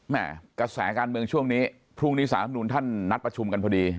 กระแสการเมืองช่วงนี้พรุ่งนี้สารธรรมนุนท่านนัดประชุมกันพอดี